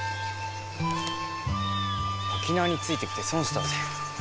沖縄についてきて損したぜ。